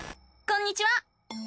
こんにちは！